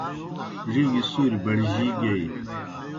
ڙِگیْ سُوریْ بڑجِی گیئی۔